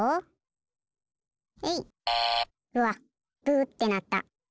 「ブー」ってなった。